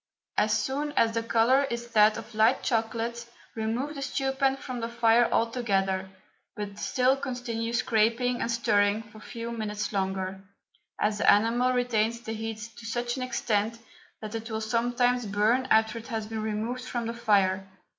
As soon as the colour is that of light chocolate remove the stew pan from the fire altogether, but still continue scraping and stirring for a few minutes longer, as the enamel retains the heat to such an extent that it will sometimes burn after it has been removed from the fire.